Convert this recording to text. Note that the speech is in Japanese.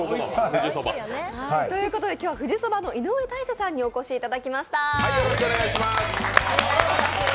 今日は富士そばの井上大成さんにお越しいただきました。